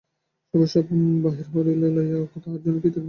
সবাই সব বাহির করিয়া লইলে তাহার জন্য কি থাকিবে?